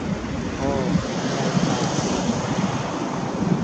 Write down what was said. Ho, miaj karaj!